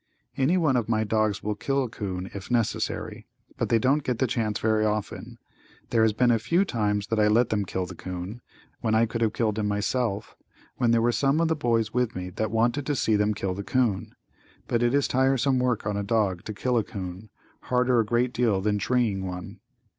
Any one of my dogs will kill a 'coon if necessary, but they don't get the chance very often. There has been a few times that I let them kill the 'coon, when I could have killed him myself, when there were some of the boys with me that wanted to see them kill the 'coon, but it is tiresome work on a dog to kill a 'coon, harder a great deal than treeing one.